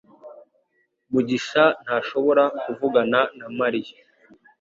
mugisha ntashobora kuvugana na Mariya